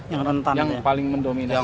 yang paling mendominasi kecelakaan